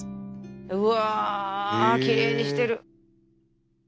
うわきれいにしてる！